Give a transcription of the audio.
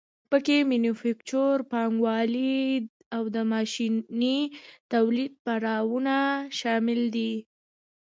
پکې مینوفکچور پانګوالي او د ماشیني تولید پړاوونه شامل دي